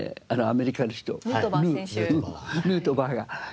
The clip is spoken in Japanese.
ヌートバー選手。